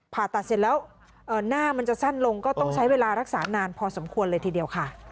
ผ่าตัดเสร็จแล้วหน้ามันจะสั้นลงก็ต้องใช้เวลารักษานานพอสมควรเลยทีเดียวค่ะ